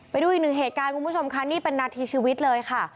ไปดูอีกหนึ่งเหตุการณ์คุณผู้ชมค่ะนี่เป็นนาทีชีวิตเลยค่ะ